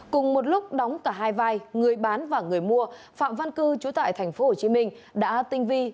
cùng một lúc đóng cả hai vai người bán và người mua phạm văn cư trú tại tp hcm đã tinh vi